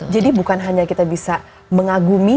jadi bukan hanya kita bisa mengagumi